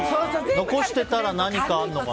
残してたら何かあるのかって。